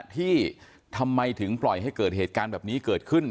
ที่ทำไมถึงปล่อยให้เกิดเหตุการณ์แบบนี้เกิดขึ้น